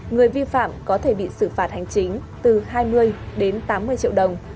người vi phạm có thể bị xử phạt hành chính từ hai mươi đến tám mươi triệu đồng